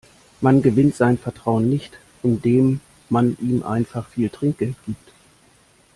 Man gewinnt sein Vertrauen nicht, indem man ihm einfach viel Trinkgeld gibt.